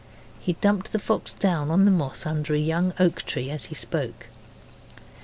He dumped the fox down on the moss under a young oak tree as he spoke.